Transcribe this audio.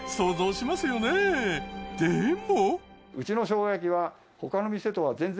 でも。